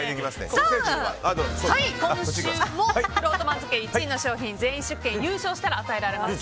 今週もくろうと番付１位の商品全員試食券が優勝したら与えられます。